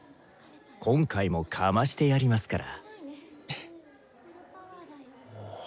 今回もかましてやりますから。